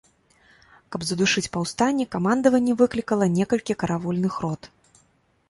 Каб задушыць паўстанне, камандаванне выклікала некалькі каравульных рот.